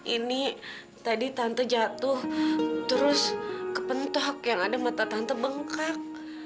ini tadi tante jatuh terus kepentok yang ada mata tante bengkak